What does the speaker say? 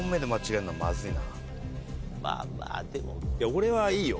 俺はいいよ